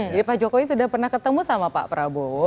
jadi pak jokowi sudah pernah ketemu sama pak prabowo